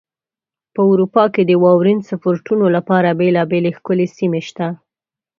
په اروپا کې د واورین سپورتونو لپاره بېلابېلې ښکلې سیمې شته.